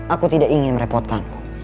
aku tidak ingin merepotkanmu